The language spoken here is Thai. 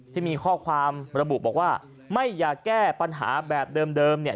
ที่มีข้อความระบุบอกว่าไม่อยากแก้ปัญหาแบบเดิมเนี่ย